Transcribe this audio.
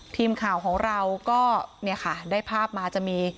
ทีมข่าวของเราก็เนี่ยค่ะได้ภาพมาจะมี